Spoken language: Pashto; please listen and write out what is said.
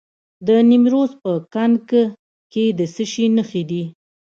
د نیمروز په کنگ کې د څه شي نښې دي؟